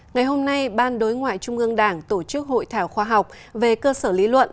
ngày hôm nay ban đối ngoại trung ương đảng tổ chức hội thảo khoa học về cơ sở lý luận